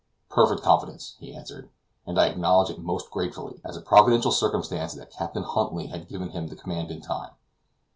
"Perfect confidence," he answered; "and I acknowledge it most gratefully, as a providential circumstance, that Captain Huntly had given him the command in time.